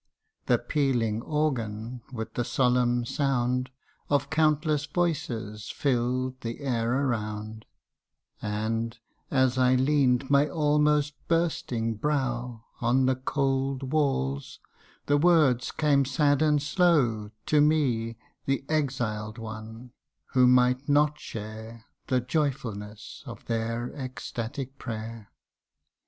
The pealing organ, with the solemn sound Of countless voices, fill'd the air around ; And, as I leant my almost bursting brow On the cold walls, the words came sad and slow To me, the exiled one, who might not share The joy fulness of their exstatic prayer.